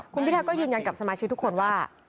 คุณพิทาก็ยืนยันกับสมาชิกทุกคนว่า